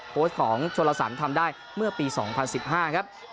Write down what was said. โพสต์ของโชลสันทำได้เมื่อปี๒๐๑๕ครับ